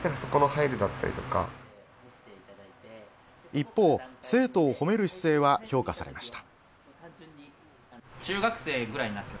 一方、生徒を褒める姿勢は評価されました。